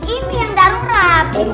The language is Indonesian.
ini yang darurat